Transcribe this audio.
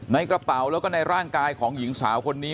ในกระเป๋าแล้วก็ในร่างกายของหญิงสาวคนนี้